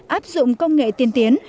áp dụng công nghệ tiên tiến